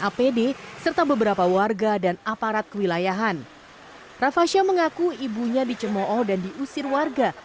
apd serta beberapa warga dan aparat kewilayahan rafa sya mengaku ibunya dicemooh dan diusir warga